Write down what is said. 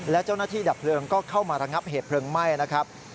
และเจ้าหน้าที่ดับเพลิงก็เข้ามาระงับเหตุเพลิงไหม้นะครับ